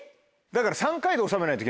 ・だから。